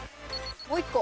もう一個。